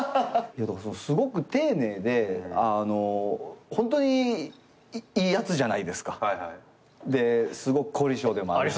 すごく丁寧であのホントにいいやつじゃないですか。ですごく凝り性でもありますし。